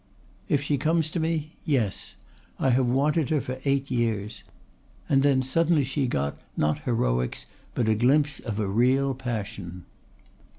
"If she comes to me yes. I have wanted her for eight years," and then suddenly she got, not heroics, but a glimpse of a real passion.